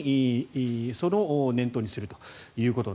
それを念頭にすると。